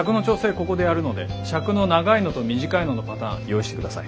ここでやるので尺の長いのと短いののパターン用意してください。